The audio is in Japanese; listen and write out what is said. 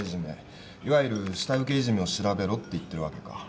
いわゆる下請けいじめを調べろって言ってるわけか。